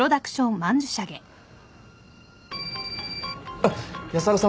あっ安原さん